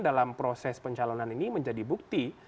dalam proses pencalonan ini menjadi bukti